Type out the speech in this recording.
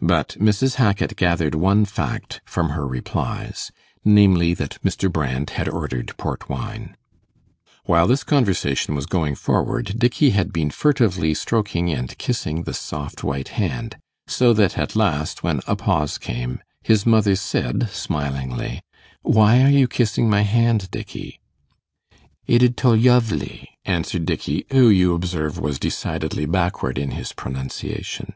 But Mrs. Hackit gathered one fact from her replies, namely, that Mr. Brand had ordered port wine. While this conversation was going forward, Dickey had been furtively stroking and kissing the soft white hand; so that at last, when a pause came, his mother said, smilingly, 'Why are you kissing my hand, Dickey?' 'It id to yovely,' answered Dickey, who, you observe, was decidedly backward in his pronunciation.